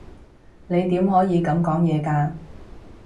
你點可以噉講嘢㗎？